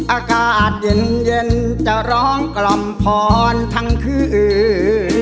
อากาศเย็นจะร้องกล่อมพรทั้งคืน